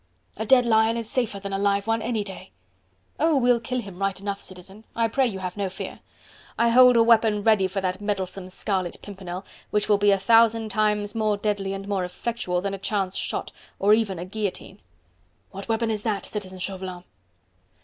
a dead lion is safer than a live one any day." "Oh! we'll kill him right enough, Citizen. I pray you have no fear. I hold a weapon ready for that meddlesome Scarlet Pimpernel, which will be a thousand times more deadly and more effectual than a chance shot, or even a guillotine." "What weapon is that, Citizen Chauvelin?"